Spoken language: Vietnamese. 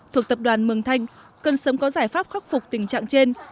thuộc tập đoàn mường thanh cần sớm có giải pháp khắc phục tình trạng trên